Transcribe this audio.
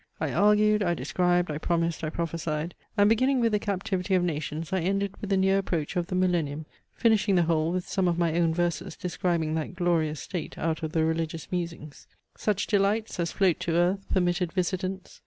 I argued, I described, I promised, I prophesied; and beginning with the captivity of nations I ended with the near approach of the millennium, finishing the whole with some of my own verses describing that glorious state out of the Religious Musings: Such delights As float to earth, permitted visitants!